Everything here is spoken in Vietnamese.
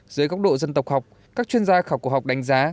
dưới góc độ dân tộc học các chuyên gia khảo cổ học đánh giá